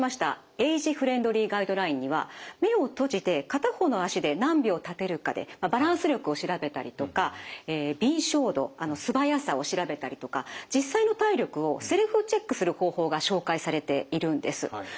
エイジフレンドリーガイドラインには目を閉じて片方の足で何秒立てるかでバランス力を調べたりとか敏捷度素早さを調べたりとかと同時に用意されているんです。